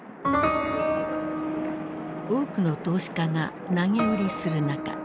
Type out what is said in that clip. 多くの投資家が投げ売りする中